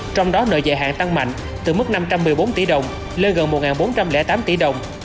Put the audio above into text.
trong đó nợ dài hạn tăng mạnh từ mức năm trăm một mươi bốn tỷ đồng lên gần một bốn trăm linh tám tỷ đồng